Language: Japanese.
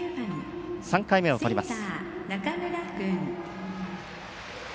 ３回目をとります。